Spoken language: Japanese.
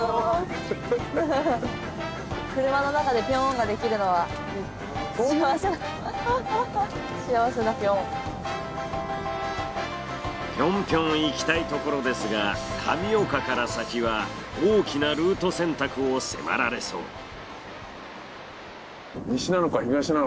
ぴょんぴょんいきたいところですが神岡から先は大きなルート選択を迫られそう。